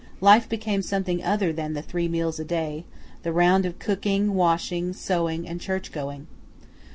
Life became something other than the three meals a day, the round of cooking, washing, sewing, and church going.